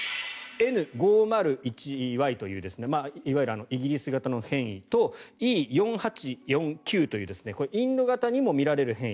Ｎ５０１Ｙといういわゆるイギリス型の変異とＥ４８４Ｑというインド型にも見られる変異。